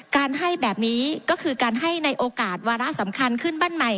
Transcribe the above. การให้แบบนี้ก็คือการให้ในโอกาสวาระสำคัญขึ้นบ้านใหม่